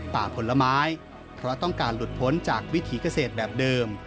ผลไม้เพราะต้องการหลุดพ้นจากวิถีเกษตรแบบเดิม